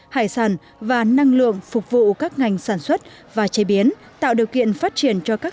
hải sản và năng lượng phục vụ các ngành sản xuất và chế biến tạo điều kiện phát triển cho các